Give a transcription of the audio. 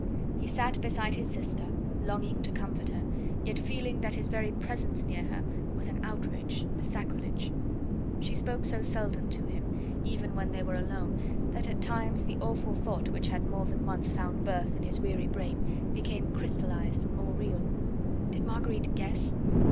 He sat beside his sister, longing to comfort her, yet feeling that his very presence near her was an outrage and a sacrilege. She spoke so seldom to him, even when they were alone, that at times the awful thought which had more than once found birth in his weary brain became crystallised and more real. Did Marguerite guess?